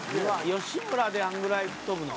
吉村であれぐらい吹っ飛ぶの？